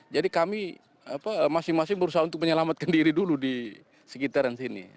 jadi kami masing masing berusaha untuk menyelamatkan diri dulu di sekitaran sini